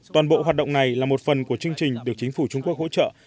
toàn bộ hoạt động này là một phần của chương trình được chính phủ trung quốc hỗ trợ